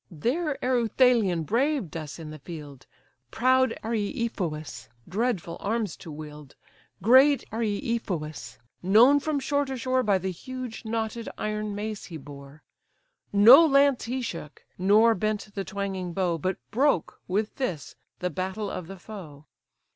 There Ereuthalion braved us in the field, Proud Areithous' dreadful arms to wield; Great Areithous, known from shore to shore By the huge, knotted, iron mace he bore; No lance he shook, nor bent the twanging bow, But broke, with this, the battle of the foe.